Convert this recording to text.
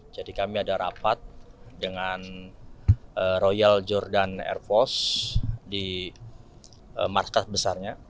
jadi kami ada rapat dengan royal jordan air force di markas